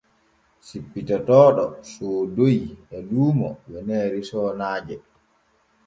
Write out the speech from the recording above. Cippitotooɗo soodoyi e luumo weneere soonaaje.